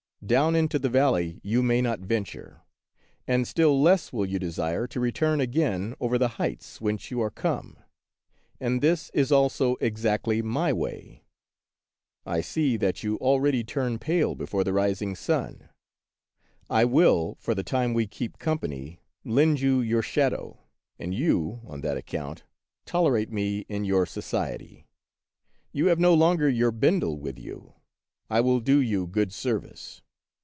Down into the valley you may not venture, and still less will you desire to return again over the heights whence you are come; and this is also exactly my way. I see that you already turn pale be fore the rising sun. I will, for the time we keep company, lend you your shadow, and you, on of Peter SchlemihL 87 that account, tolerate me in your society. You have no longer your Bendel with you ; I will do you good service.